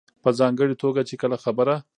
په ځانګړې توګه چې کله خبره